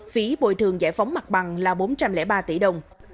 phí bồi thường giải phóng mặt bằng là bốn trăm linh ba tỷ đồng